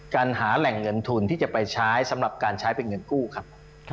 การหาแหล่งเงินทุนที่จะไปใช้สำหรับการใช้เป็นเงินกู้ครับ